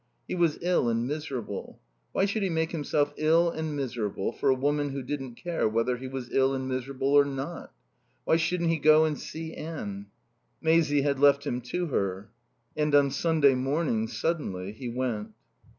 He was ill and miserable. Why should he make himself ill and miserable for a woman who didn't care whether he was ill and miserable or not? Why shouldn't he go and see Anne? Maisie had left him to her. And on Sunday morning, suddenly, he went.